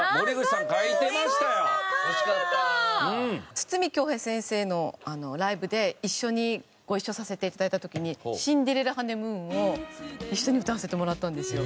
筒美京平先生のライブで一緒にご一緒させて頂いた時に『シンデレラ・ハネムーン』を一緒に歌わせてもらったんですよ。